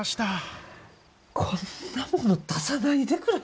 こんなもの出さないでくれ。